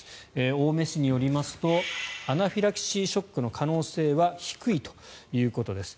青梅市によりますとアナフィラキシーショックの可能性は低いということです。